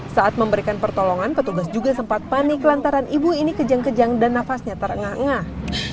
saat memberikan pertolongan petugas juga sempat panik lantaran ibu ini kejang kejang dan nafasnya terengah engah